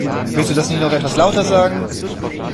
Willst du das nicht noch etwas lauter sagen?